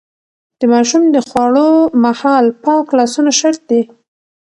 د ماشوم د خوړو مهال پاک لاسونه شرط دي.